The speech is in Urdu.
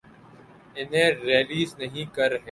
انہیں ریلیز نہیں کر رہے۔